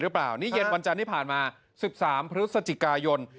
หรือเปล่านี่เย็นวันจันทร์ที่ผ่านมา๑๓พฤศจิกายน